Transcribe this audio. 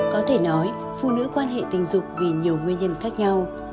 có thể nói phụ nữ quan hệ tình dục vì nhiều nguyên nhân khác nhau